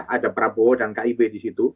ada prabowo dan kib disitu